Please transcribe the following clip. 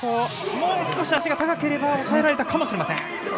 もう少し足が高ければ抑えられたかもしれません。